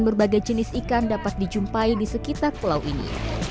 berbagai jenis ikan dapat dijumpai di sekitar pulau ini